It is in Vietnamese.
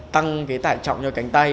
tăng cái tải trọng cho cánh tay